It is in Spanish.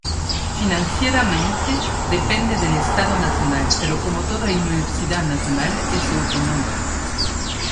Financieramente depende del Estado nacional, pero como toda Universidad Nacional, es autónoma.